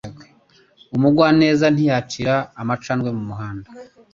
Umugwaneza ntiyacira amacandwe mumuhanda.